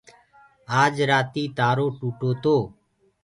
آج رآتي تآرو ٽوٽو تو۔